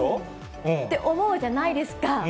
って思うじゃないですか。